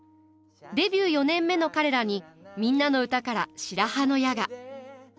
デビュー４年目の彼らに「みんなのうた」から白羽の矢が。